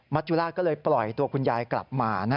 จุราชก็เลยปล่อยตัวคุณยายกลับมา